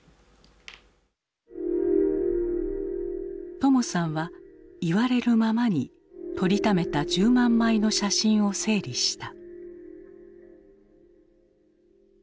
友さんは言われるままに撮りためた１０万枚の写真を整理した。